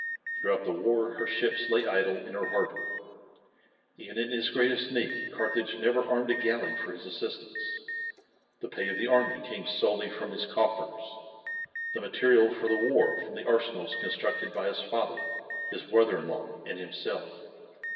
Throughout the war her ships lay idle in her harbour. Even in his greatest need Carthage never armed a galley for his assistance. The pay of the army came solely from his coffers, the material for the war from the arsenals constructed by his father, his brother in law, and himself.